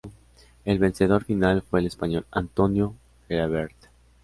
El vencedor final fue el español Antonio Gelabert.